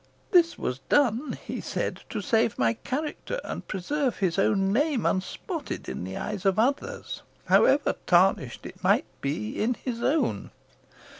This was done, he said, to save my character, and preserve his own name unspotted in the eyes of others, however tarnished it might be in his own.